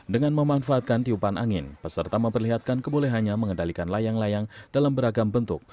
dengan memanfaatkan tiupan angin peserta memperlihatkan kebolehannya mengendalikan layang layang dalam beragam bentuk